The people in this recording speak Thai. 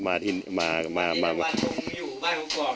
นี่เป็นวันทุ่มอยู่ใบของกล่องนะ